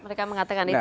mereka mengatakan itu ya